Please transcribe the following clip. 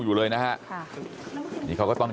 บอกแล้วบอกแล้วบอกแล้ว